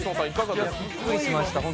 びっくりしました。